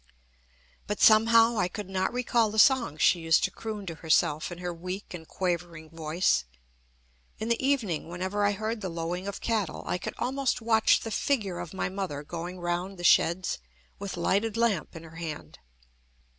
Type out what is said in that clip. But somehow I could not recall the songs she used to croon to herself in her weak and quavering voice. In the evening, whenever I heard the lowing of cattle, I could almost watch the figure of my mother going round the sheds with lighted lamp in her hand.